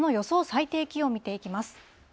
最低気温を見ていきます。